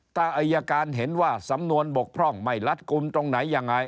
ถ้าอายการเห็นว่าสำนวนบกพร่องไม่รัดกลุ่มตรงไหนยังไง